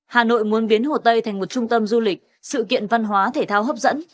hà nội muốn biến hồ tây thành một trung tâm du lịch sự kiện văn hóa thể thao hấp dẫn